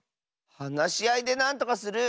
はなしあいでなんとかする！